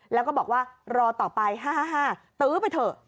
แล้วก็บอกว่ารอต่อไป๕๕ตื้อไปเถอะ